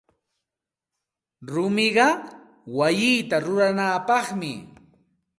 Rumiqa wayita ruranapaqmi.